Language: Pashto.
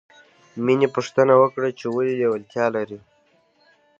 مینې پوښتنه وکړه چې ولې لېوالتیا لرې